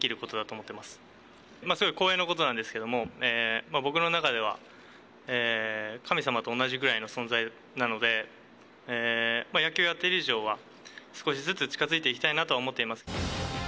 それはすごい光栄なことなんですけど、僕の中では、神様と同じぐらいの存在なので、野球をやっている以上は、少しずつ近づいていきたいなとは思っています。